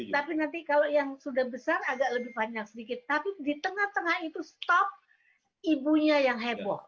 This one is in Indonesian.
tapi nanti kalau yang sudah besar agak lebih panjang sedikit tapi di tengah tengah itu stop ibunya yang heboh